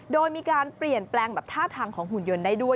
โดยมีการเปลี่ยนแปลงแบบท่าทางของหุ่นยนต์ได้ด้วย